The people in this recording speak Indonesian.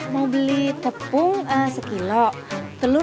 mau beli tepung sekilo